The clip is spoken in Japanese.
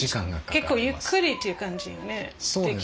結構ゆっくりっていう感じよね出来るまで。